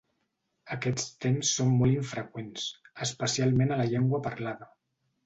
Aquests temps són molt infreqüents, especialment a la llengua parlada.